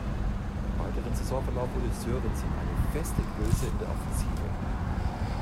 Im weiteren Saisonverlauf wurde Sørensen eine feste Größe in der Offensive.